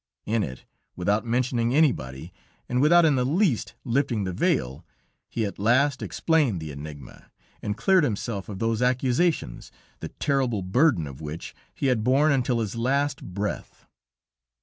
In it, without mentioning anybody, and without in the least lifting the veil, he at last explained the enigma, and cleared himself of those accusations, the terrible burden of which he had borne until his last breath.